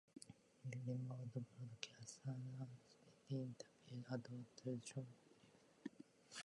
Live remote broadcasts and unscripted interviews added to the show's believability.